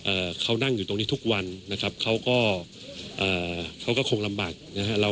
เอ่อเขานั่งอยู่ตรงนี้ทุกวันนะครับเขาก็เอ่อเขาก็คงลำบากนะฮะ